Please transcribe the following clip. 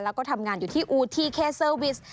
แล้วก็ทำงานอยู่ที่อูทีเคเซอร์วิส